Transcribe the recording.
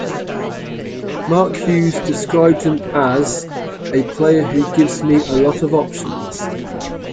Mark Hughes described him as ...a player who gives me a lot of options.